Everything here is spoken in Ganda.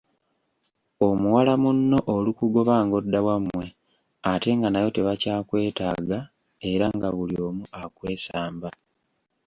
Omuwala munno olukugoba ng'odda wammwe ate nga nayo tebakyakwetaaga era nga buli omu akwesamba.